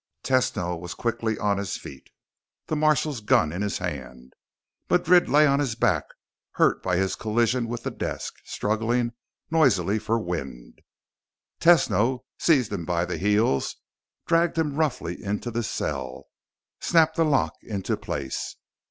Tesno was quickly on his feet, the marshal's gun in his hand. Madrid lay on his back, hurt by his collision with the desk, struggling noisily for wind. Tesno seized him by the heels, dragged him roughly into the cell, snapped the lock into place.